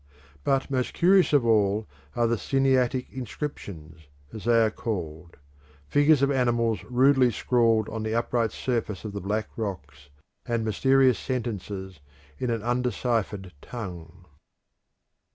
But most curious of all are the Sinaitic inscriptions, as they are called figures of animals rudely scrawled on the upright surface of the black rocks and mysterious sentences in an undeciphered tongue.